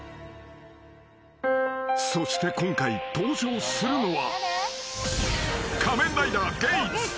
［そして今回登場するのは］